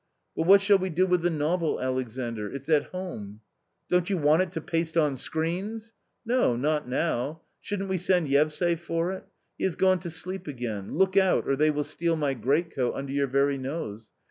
" But what shall we do with the novel, Alexandr ? It's at home." " Don't you want it to paste on screens ?"" No, not now. Shouldn't we send Yevsay for it ? He has gone to sleep again; look out or they will steal my greatcoat under your very nose